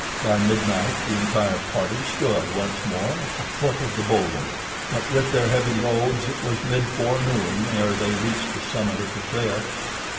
By midnight the entire party stood once more at the foot of the bowlder, but with their heavy loads it was mid forenoon ere they reached the summit of the cliffs.